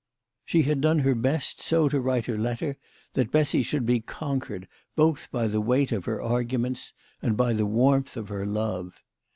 She had done her best so to write her letter that Bessy should be conquered both by the weight of her arguments and by the warmth of her love.